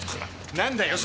何だよ